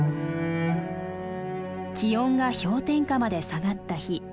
気温が氷点下まで下がった日。